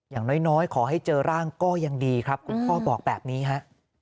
อย่างน้อยขอให้เจอร่างก็ยังดีครับคุณพ่อบอกแบบนี้ฮะ